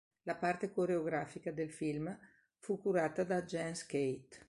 La parte coreografica del film fu curata da Jens Keith.